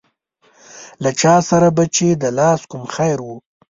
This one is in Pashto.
له چا سره به چې د لاس کوم خیر و.